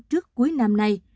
trước cuối năm nay